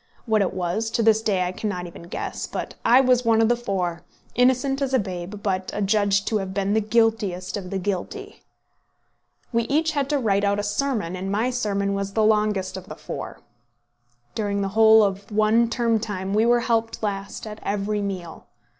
What it was, to this day I cannot even guess; but I was one of the four, innocent as a babe, but adjudged to have been the guiltiest of the guilty. We each had to write out a sermon, and my sermon was the longest of the four. During the whole of one term time we were helped last at every meal.